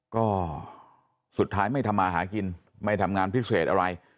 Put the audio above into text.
ก็สุดท้ายไม่ทำมาหากินไม่ทำงานพิเศษอะไร